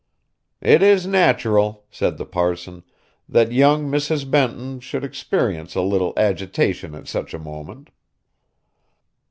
"It is natural," said the parson, "that young Mrs. Benton should experience a little agitation at such a moment."